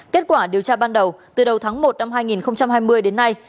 kết quả điều tra ban đầu từ đầu tháng một năm hai nghìn hai mươi đến nay